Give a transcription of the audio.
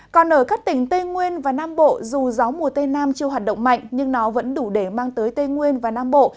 còn ở các tỉnh tây nguyên và nam bộ dù gió mùa tây nam chưa hoạt động mạnh nhưng nó vẫn đủ để mang tới tây nguyên và nam bộ